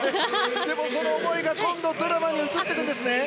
でもその思いが今度、ドラマにそうなんです。